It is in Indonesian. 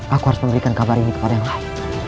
aku harus memberikan kabar ini kepada yang lain